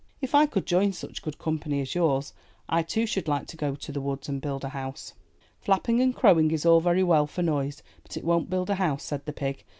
If I could join such good company as yours, I, too, should like to go to the woods and build a house/* ''Flapping and crowing is all very well for noise, but it won't build a house," said the pig.